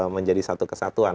menjadi satu kesatuan